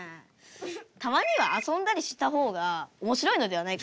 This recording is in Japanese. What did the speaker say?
たまにはあそんだりした方がおもしろいのではないか。